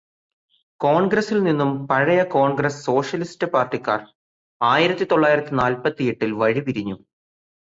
കോണ്ഗ്രസില് നിന്നും പഴയ കോണ്ഗ്രസ്സ് സോഷ്യലിസ്റ്റ് പാര്ടിക്കാര് ആയിരത്തി തൊള്ളായിരത്തി നാല്പത്തിയെട്ടിൽ വഴി പിരിഞ്ഞു.